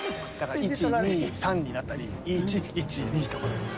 １２３になったり１１２とか。